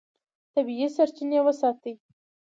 طبیعي سرچینې وساتئ.